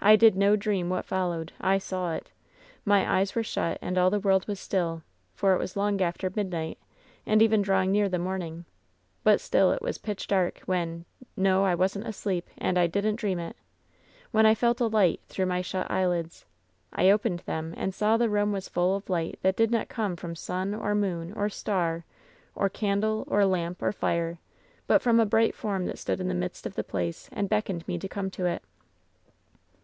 I did no dream what followed. I saw it. My eyes were shut and all the world was still ; for it was long after midnight, and even drawing near the morning; but still it was pitch dark, when — ^no, I wasn't asleep, and I didn't dream it — ^when I felt a light through my shut eyelids. I opened them and saw the room was full of light that did not come from sun, or moon, or star, or candle, or lamp, or fire, but from a bright form that stood in the midst of the place and beckoned me to come to it.